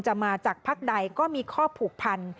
จะมาจากภักดิ์ใดก็มีข้อผูกพันธ์